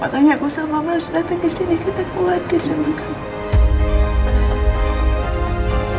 makanya aku sama mas datang kesini karena kewadil sama kamu